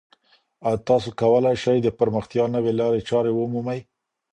ایا تاسو کولای شئ د پرمختیا نوې لارې چارې ومومئ؟